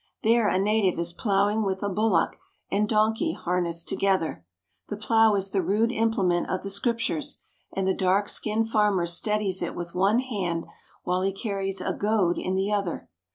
There a native is ploughing with a bullock and don key harnessed together. The plough is the rude implement of the Scriptures, and the dark skinned farmer steadies it with one hand, while he carries a goad in the other.